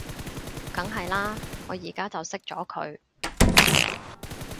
梗係喇，我而家就熄咗佢